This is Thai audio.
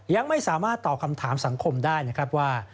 ยังไม่สามารถตอบคำถามสังคมได้นะครับว่า